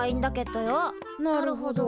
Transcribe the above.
なるほど。